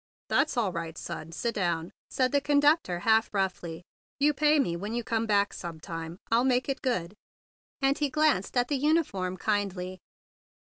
"That's all right, son. Sit down," said the conductor half roughly. "You pay me when you come back sometime. I'll make it good." And he glanced at the uniform kindly.